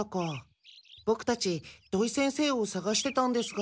ボクたち土井先生をさがしてたんですが。